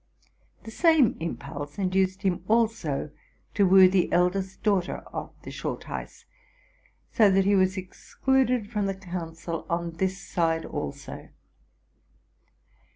The same impulse induced him also to woo the eldest daughter of the Schultheiss, so that he was excluded from the council on this side also.